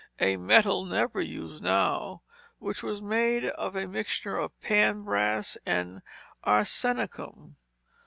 a metal never used now, which was made of a mixture of pan brass and arsenicum.